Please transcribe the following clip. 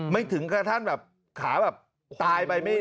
ไม่ถึงกระทั่งขาตายไป